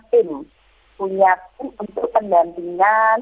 punya tim untuk pendampingan